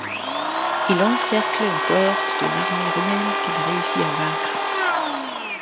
Il encercle une cohorte de l'armée romaine qu'il réussit à vaincre.